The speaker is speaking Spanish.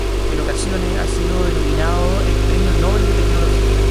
En ocasiones ha sido denominado el Premio Nobel de Tecnología.